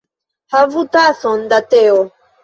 Havu tason da teo.